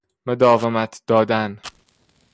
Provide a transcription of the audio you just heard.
مداومت دادن